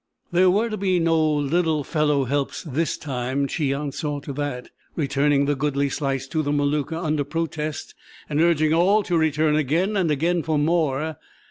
There were to be no "little fellow helps" this time. Cheon saw to that, returning the goodly slice to the Maluka under protest, and urging all to return again and again for more.